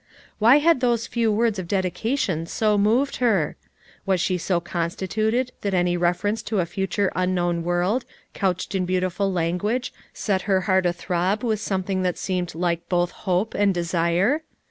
Why had those few words of dedication so moved her! Was she so constituted that any reference to a fu ture unknown world, couched in beautiful Ian guage set her heart athrob with something that seemed like both hope and desire?